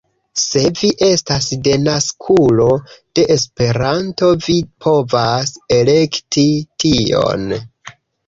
Se vi estas denaskulo de Esperanto vi povas elekti tion